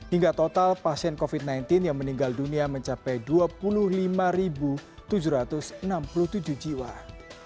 hingga total pasien covid sembilan belas yang meninggal dunia mencapai dua puluh lima tujuh ratus enam puluh tujuh jiwa